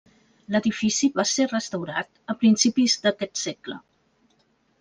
L'edifici va ser restaurat a principis d'aquest segle.